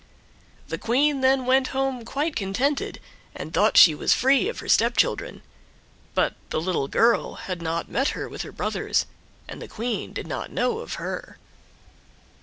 The Queen then went home quite contented, and thought she was free of her stepchildren; but the little girl had not met her with the brothers, and the Queen did not know of her.